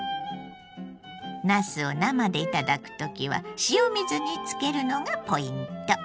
なすを生で頂く時は塩水につけるのがポイント。